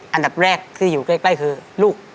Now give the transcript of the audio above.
อันดับแรกที่อยู่ใกล้คือลูก